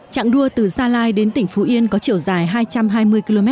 trạng đua từ gia lai đến tỉnh phú yên có chiều dài hai trăm hai mươi km